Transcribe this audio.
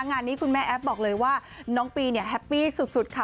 งานนี้คุณแม่แอฟบอกเลยว่าน้องปีเนี่ยแฮปปี้สุดค่ะ